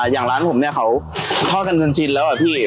อย่างร้านผมเนี่ยเขาทอดกันจนชินแล้วอะพี่